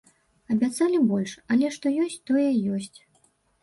Абяцалі больш, але што ёсць, тое ёсць.